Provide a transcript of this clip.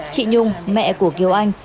chị nhung mẹ của kiều anh